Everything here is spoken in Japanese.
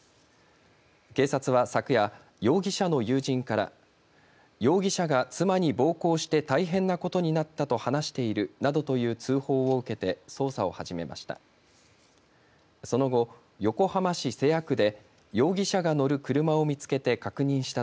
警察は昨夜容疑者の友人から容疑者が妻に暴行して大変なことになったと話しているなどという通報を受けて捜査を始めました。